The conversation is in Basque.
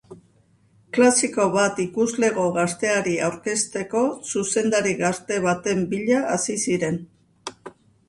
Klasiko bat ikuslego gazteari aurkezteko zuzendari gazte baten bila hasi ziren.